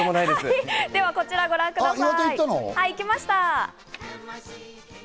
では、こちらをご覧ください。